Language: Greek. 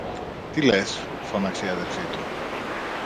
Τι λες! φώναξε η αδελφή του.